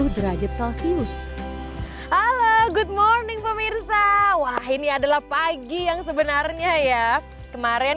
derajat celcius halo good morning pemirsa wah ini adalah pagi yang sebenarnya ya kemarin